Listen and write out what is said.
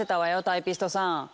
タイピストさん。